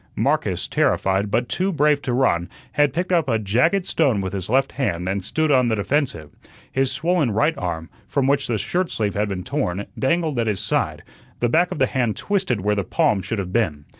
Marcus, terrified, but too brave to run, had picked up a jagged stone with his left hand and stood on the defensive. His swollen right arm, from which the shirt sleeve had been torn, dangled at his side, the back of the hand twisted where the palm should have been.